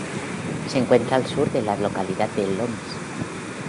Se encuentra al sur de la localidad de Lomas.